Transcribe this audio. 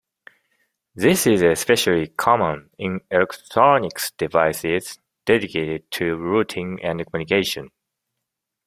This is especially common in electronic devices dedicated to routing and communication.